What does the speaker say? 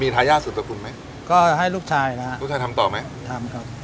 ทายาทสุตคุณไหมก็ให้ลูกชายนะฮะลูกชายทำต่อไหมทำครับ